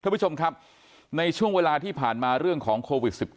ท่านผู้ชมครับในช่วงเวลาที่ผ่านมาเรื่องของโควิด๑๙